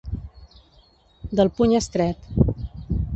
Del puny estret.